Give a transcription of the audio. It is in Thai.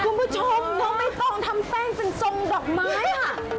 คุณผู้ชมน้องไม่ต้องทำแป้งเป็นทรงดอกไม้อ่ะ